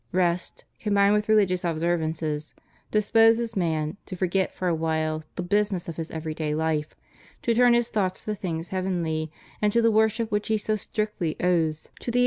Rest (combined with religious ob servances), disposes man to forget for a while the business of his every day life, to turn his thoughts to things heavenly, and to the worship which he so strictly owes to the Eter » Genesis i.